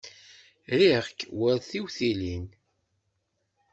Riɣ-k war tiwtilin.